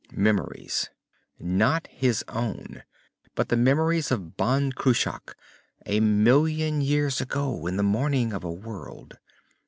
Memories. Not his own, but the memories of Ban Cruach, a million years ago in the morning of a world.